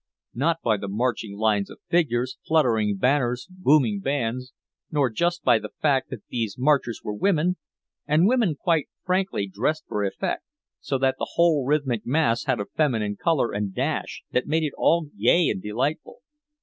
Not by the marching lines of figures, fluttering banners, booming bands, nor just by the fact that these marchers were women, and women quite frankly dressed for effect, so that the whole rhythmic mass had a feminine color and dash that made it all gay and delightful.